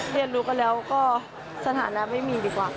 เรียนรู้กันแล้วก็สถานะไม่มีดีกว่า